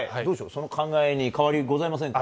その考えに変わりはございませんか？